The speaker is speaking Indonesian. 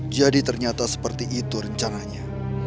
jadi ternyata seperti itu rencananya